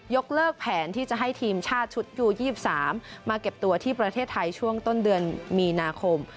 กเลิกแผนที่จะให้ทีมชาติชุดยู๒๓มาเก็บตัวที่ประเทศไทยช่วงต้นเดือนมีนาคม